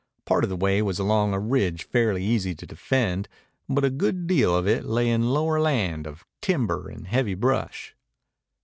Part of the way was along a ridge fairly easy to defend, but a good deal of it lay in lower land of timber and heavy brush.